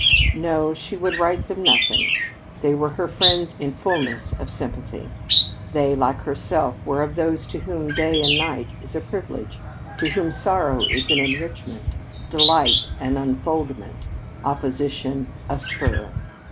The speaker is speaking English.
No, she would write them nothing. They were her friends in fullness of sympathy. They, like herself, were of those to whom each day and night is a privilege, to whom sorrow is an enrichment, delight an unfoldment, opposition a spur.